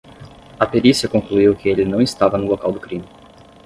A perícia concluiu que ele não estava no local do crime